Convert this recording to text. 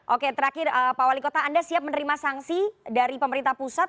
oke terakhir pak wali kota anda siap menerima sanksi dari pemerintah pusat